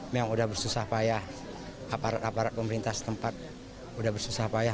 memang udah bersusah payah aparat aparat pemerintah setempat udah bersusah payah